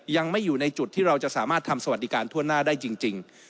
ยังไม่อยู่ในจุดที่เราจะสามารถทำสวัสดิการทั่วหน้าได้จริง